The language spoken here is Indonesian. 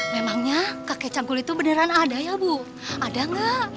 memangnya kakek cangkul itu beneran ada ya bu ada nggak